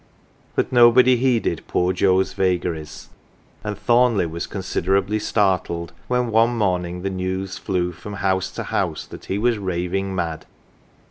But nobody heeded poor Joe's vagaries, and Thornleigh was considerably startled when one morning the news flew from house to house that he was raving mad.